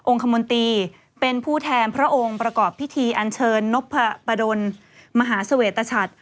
คมนตรีเป็นผู้แทนพระองค์ประกอบพิธีอันเชิญนพประดนมหาเสวตชัด